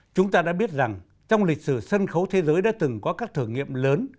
chúng ta đã biết rằng trong lịch sử sân khấu thế giới đã từng có các thử nghiệm lớn